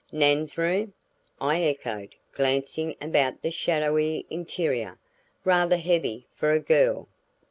"Nan's room!" I echoed glancing about the shadowy interior. "Rather heavy for a girl."